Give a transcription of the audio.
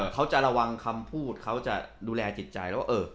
เขาจะระวังคำพูดเขาจะดูแลจิตใจ